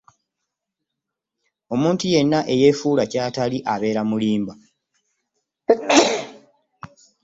Omuntu yenna eyeefuula ky'atali abeera mulimba.